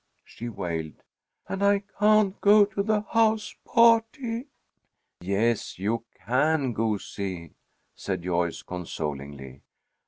she wailed. "And I can't go to the house party " "Yes, you can, goosey," said Joyce, consolingly.